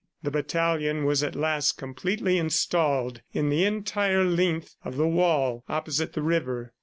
The battalion was at last completely installed the entire length of the wall, opposite the river.